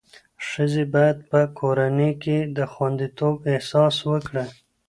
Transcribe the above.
ښځې باید په کورنۍ کې د خوندیتوب احساس وکړي.